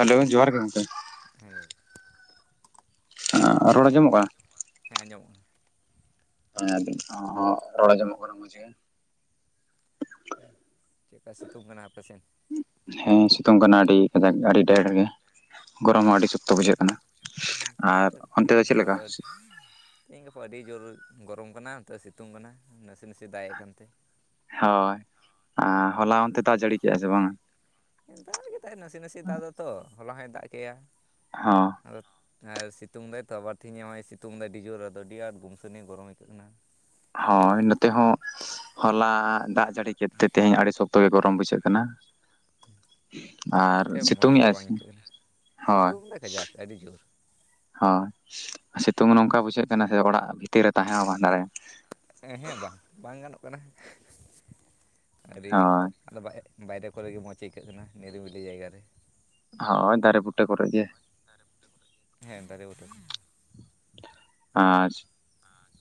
Hello ᱡᱚᱦᱟᱨ ᱜᱮ ᱜᱚᱝᱠᱮ᱾ [unintelligible] ᱟᱻ ᱨᱚᱲ ᱟᱸᱡᱚᱢᱚᱜ ᱠᱟᱱᱟ? ᱦᱮᱸ ᱟᱸᱡᱚᱢᱚᱜᱼᱟ᱾ ᱦᱮᱸ ᱟᱹᱵᱤᱱ ᱦᱚᱸ ᱨᱚᱲ ᱟᱸᱡᱚᱢᱚᱜ ᱠᱟᱱᱟ ᱢᱚᱡᱽ ᱜᱮ᱾ ᱪᱮᱫᱠᱟ ᱥᱤᱛᱩᱝ ᱠᱟᱱᱟ ᱟᱯᱮ ᱥᱮᱱ? ᱦᱮᱸ ᱥᱤᱛᱩᱝ ᱠᱟᱱᱟ ᱟᱹᱰᱤ ᱠᱟᱡᱟᱠ ᱟᱹᱰᱤ ᱰᱮᱦᱮᱨ ᱜᱮ᱾ ᱜᱚᱨᱚᱢ ᱦᱚᱸ ᱟᱹᱰᱤ ᱥᱚᱠᱛᱚ ᱵᱩᱡᱷᱟᱹᱜ ᱠᱟᱱᱟ᱾ ᱟᱨ ᱚᱱᱛᱮ ᱫᱚ ᱪᱮᱫᱮ ᱞᱮᱠᱟ? ᱛᱮᱦᱮᱧ ᱜᱟᱯᱟ ᱟᱹᱰᱤ ᱡᱩᱨ ᱜᱚᱨᱚᱢ ᱠᱟᱱᱟ, ᱱᱚᱛᱮ ᱥᱤᱛᱩᱝ ᱠᱟᱱᱟ, ᱱᱟᱥᱮ ᱱᱟᱥᱮ ᱫᱟᱜ-ᱮ ᱠᱟᱱ ᱛᱮ᱾ ᱦᱳᱭ ᱟᱨ ᱦᱚᱞᱟ ᱚᱱᱛᱮ ᱫᱟᱜ ᱡᱟᱹᱲᱤ ᱠᱮᱫᱼᱟ ᱥᱮ ᱵᱟᱝᱼᱟ? ᱫᱟᱜ ᱮᱫᱟᱭ ᱱᱟᱥᱮ ᱱᱟᱥᱮ ᱫᱟᱜ ᱫᱚ ᱛᱚ ᱦᱚᱞᱟ ᱦᱚᱸᱭ ᱫᱟᱜ ᱠᱮᱭᱟ᱾ ᱦᱚᱸ᱾ ᱟᱨ ᱟᱨ ᱥᱤᱛᱩᱝ ᱫᱟᱭ ᱛᱚ ᱵᱟᱹᱲᱛᱤ ᱧᱚᱜ ᱮ ᱥᱤᱛᱩᱝ ᱫᱟᱭ ᱟᱹᱰᱤ ᱡᱩᱨ ᱟᱫᱚ ᱟᱹᱰᱤ ᱟᱸᱴ ᱵᱩᱝᱥᱩᱱᱤ ᱜᱚᱨᱚᱢ ᱟᱹᱭᱠᱟᱹᱜ ᱠᱟᱱᱟ᱾ ᱦᱳᱭ ᱱᱚᱛᱮ ᱦᱚᱸ᱾ ᱦᱚᱞᱟ ᱦᱟᱸᱜ ᱫᱟᱜ ᱡᱟᱹᱲᱤ ᱠᱮᱫ ᱛᱮ, ᱛᱮᱦᱮᱸᱧ ᱟᱹᱰᱤ ᱥᱚᱠᱛᱚ ᱜᱮ ᱜᱚᱨᱚᱢ ᱵᱩᱡᱷᱟᱹᱜ ᱠᱟᱱᱟ ᱾ ᱟᱨ, ᱚᱱᱟᱛᱮ ᱢᱚᱡᱽ ᱥᱤᱛᱩᱝ ᱦᱚᱸ ᱮᱜ-ᱟᱭ ᱵᱟᱝ ᱥᱮ? ᱟᱹᱭᱠᱟᱹᱜ ᱠᱟᱱᱟ ᱦᱚᱭ ᱾ ᱥᱤᱛᱩᱝ ᱫᱟᱭ ᱠᱟᱡᱟᱠ ᱟᱹᱰᱤ ᱡᱩᱨ᱾ ᱦᱚᱸ, ᱥᱤᱛᱩᱝ ᱱᱚᱝᱠᱟ ᱵᱩᱡᱷᱟᱹᱜ ᱠᱟᱱᱟ ᱥᱮ ᱚᱲᱟᱜ ᱵᱷᱤᱛᱤᱨ ᱨᱮ ᱛᱟᱦᱮᱸ ᱦᱚᱸ ᱵᱟᱝ ᱫᱟᱲᱮ᱾ ᱦᱮᱸ ᱦᱮᱸ ᱵᱟᱝ ᱵᱟᱝ ᱜᱟᱱᱚᱜ ᱠᱟᱱᱟ᱾ ᱟᱹᱰᱤᱜ ᱦᱳᱭ ᱟᱫᱚ ᱵᱟᱭᱜ ᱵᱟᱭᱨᱮ ᱠᱚᱨᱮᱜ ᱜᱮ ᱢᱚᱡᱽ ᱟᱹᱭᱠᱟᱹᱜ ᱠᱟᱱᱟ ᱱᱤᱨᱤᱵᱤᱞᱤ ᱡᱟᱭᱜᱟ ᱨᱮ᱾ ᱦᱳᱭ ᱫᱟᱨᱮ ᱵᱩᱴᱟᱹ ᱠᱚᱨᱮ ᱜᱮ᱾ ᱫᱟᱨᱮ ᱵᱩᱴᱟᱹ? ᱦᱮᱸ ᱫᱟᱨᱮ ᱵᱩᱴᱟᱹ᱾ ᱟᱸᱪᱪᱷᱟ᱾ ᱟ, ᱟᱡ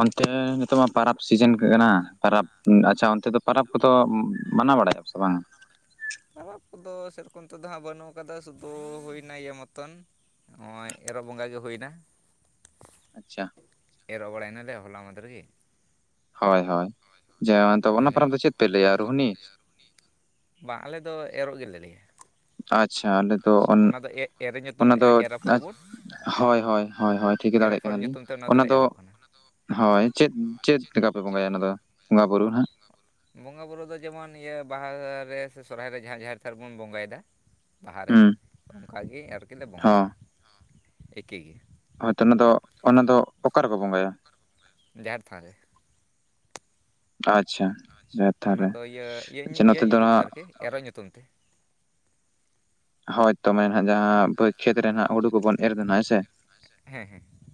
ᱚᱱᱛᱮ ᱨᱮ ᱱᱤᱛᱚᱜ ᱢᱟ ᱾ ᱯᱟᱨᱟᱵᱽ ᱥᱤᱡᱤᱱ ᱠᱟᱱᱟ ᱾ ᱯᱟᱨᱟᱵᱽ ᱟᱪᱪᱷᱟ, ᱚᱱᱛᱮ ᱫᱚ ᱯᱟᱨᱟᱵᱽ ᱠᱚᱫᱚ ᱚᱦᱸ ᱢᱟᱱᱟᱣ ᱵᱟᱲᱟᱭᱟ ᱥᱮ ᱵᱟᱝ ᱟ? ᱯᱟᱨᱟᱵᱽ ᱠᱚᱫᱚ ᱥᱮᱨᱚᱠᱚᱢ ᱱᱤᱛᱚᱜ ᱫᱚ ᱦᱟᱸᱜ ᱵᱟᱹᱱᱩᱜ ᱠᱟᱫᱟ ᱥᱩᱫᱩ ᱦᱩᱭᱱᱟ ᱤᱭᱟ. ᱢᱚᱛᱚᱱ ᱾ ᱱᱚᱜᱼᱚᱭ ᱮᱨᱚᱜ ᱵᱚᱸᱜᱟ ᱜᱮ ᱦᱩᱭᱱᱟ ᱾ ᱟᱪᱪᱷᱟ ᱾ ᱮᱨᱚᱜ ᱵᱟᱲᱟᱭᱱᱟᱞᱮ ᱦᱚᱞᱟ ᱢᱟᱦᱫᱷᱮᱨ ᱜᱤ ᱾ ᱦᱚᱭ ᱦᱚᱭ, ᱡᱮ ᱚᱱᱛᱮ ᱟᱫᱚ ᱚᱱᱟ ᱤᱱᱟᱹᱜᱮ ᱯᱟᱨᱟᱵᱽ ᱫᱚ ᱪᱮᱫ ᱯᱮ ᱞᱟᱹᱭᱟ ᱨᱩᱦᱱᱤ? ᱵᱟᱝ ᱟᱞᱮ ᱫᱚ, ᱮᱨᱚᱜ ᱜᱮᱞᱮ ᱞᱟᱹᱭᱟ ᱾ ᱟᱪᱪᱷᱟ, ᱟᱞᱮ ᱚᱱᱟ, ᱮᱨᱮ ᱧᱩᱛᱩᱢ ᱚᱱᱟ ᱛᱮ ᱫᱚ ᱮᱨ ᱟᱯᱷᱚᱨ ᱵᱚᱱ ᱦᱚᱭ ᱦᱚᱭ ᱦᱚᱭ, ᱴᱷᱤᱠᱟᱹ ᱮᱨ ᱫᱟᱲᱮᱭᱟᱜ ᱟᱯᱷᱚᱨ ᱠᱟᱱᱟ ᱞᱤᱧ ᱧᱩᱛᱩᱢ ᱛᱮ ᱚᱱᱟ ᱫᱚᱞᱮ ᱫᱚ ᱮᱨᱚᱜ ᱠᱟᱱᱟ ᱾ ᱦᱚᱭ, ᱪᱮᱫ ᱪᱮᱫ ᱞᱮᱠᱟ ᱯᱮ ᱵᱚᱸᱜᱟᱭᱟ ᱚᱱᱟ ᱫᱚ ᱵᱚᱸᱜᱟ ᱵᱩᱨᱩ ᱱᱷᱟᱸᱜ? ᱵᱚᱸᱜᱟ ᱵᱩᱨᱩ ᱫᱚ ᱡᱮᱢᱚᱱ ᱤᱭᱟᱹ ᱵᱟᱦᱟᱨᱮ ᱥᱮ, ᱥᱚᱨᱦᱟᱭ ᱨᱮ ᱡᱟᱦᱟᱸ ᱡᱟᱦᱮᱨ ᱛᱷᱟᱱ ᱨᱮ ᱵᱚᱱ ᱵᱚᱸᱜᱟᱭᱮᱫᱟ ᱾ ᱵᱟᱦᱟ ᱨᱮ ᱦᱩᱸ ᱚᱱᱠᱟᱜᱮ ᱟᱨᱠᱟᱹᱡ ᱞᱮ ᱵᱚᱸᱜᱟᱭᱟ ᱮᱠᱤ ᱜᱮ ᱾ ᱦᱚᱭᱛᱚ ᱚᱱᱟ ᱫᱚ, ᱚᱱᱟ ᱫᱚ ᱚᱠᱟ ᱨᱮᱠᱚ ᱵᱚᱸᱜᱟᱭᱟ? ᱡᱟᱦᱮᱨ ᱛᱷᱟᱱ ᱨᱮ ᱟᱪᱪᱷᱟ ᱾ ᱟᱪᱪᱷᱟ, ᱚᱱᱟ ᱫᱚ ᱤᱭᱟᱹ ᱤᱭᱟᱹ ᱤᱭᱟᱹ ᱫᱚ ᱧᱩᱛᱩᱢ ᱛᱮ ᱦᱟᱸᱜ ᱟᱨᱠᱤ ᱮᱨᱚᱜ ᱧᱩᱛᱩᱢ ᱛᱮ ᱾ ᱦᱚᱭᱛᱚ ᱢᱟᱱᱮ ᱱᱟᱜ, ᱡᱟᱦᱟᱸ ᱵᱟᱹᱫ ᱠᱷᱮᱛ ᱨᱮ ᱱᱟᱜ ᱦᱩᱲᱩ ᱠᱚᱵᱚᱱ ᱮᱨ ᱠᱮ ᱦᱮᱸ ᱥᱮ ᱾ ᱦᱮᱸ ᱦᱮᱸ ᱾